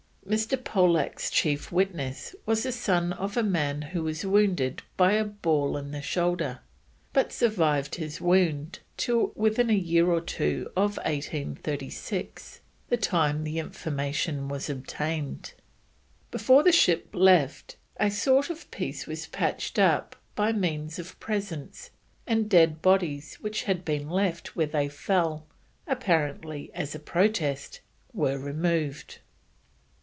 Mr. Polack's chief witness was the son of a man who was wounded by a ball in the shoulder, but survived his wound till within a year or two of 1836, the time the information was obtained. Before the ship left, a sort of peace was patched up by means of presents, and the dead bodies which had been left where they fell, apparently as a protest, were removed.